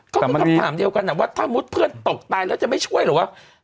ก็คือคำถามเดียวกันว่าถ้ามุติเพื่อนตกตายแล้วจะไม่ช่วยหรือว่า